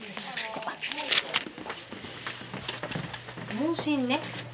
問診ね